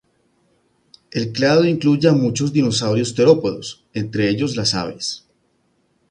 El clado incluye a muchos dinosaurios terópodos, entre ellos las aves.